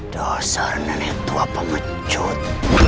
dosa renan itu apa mecut